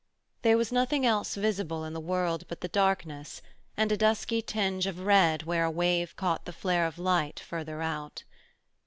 There was nothing else visible in the world but the darkness and a dusky tinge of red where a wave caught the flare of light further out.